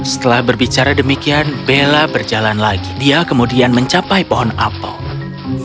setelah berbicara demikian bella berjalan lagi dia kemudian mencapai pohon apel